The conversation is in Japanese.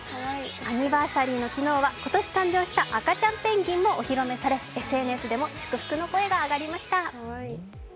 アニバーサリーの昨日は今年誕生した赤ちゃんペンギンもお披露目され、ＳＮＳでも祝福の声が上がりました。